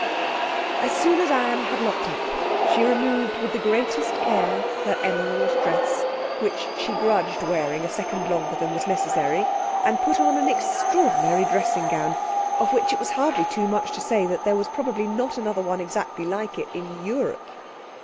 As soon as Anne had locked up she removed with the greatest care her emerald dress, which she grudged wearing a second longer than was necessary, and put on an extraordinary dressing gown, of which it was hardly too much to say that there was probably not another one exactly like it in Europe.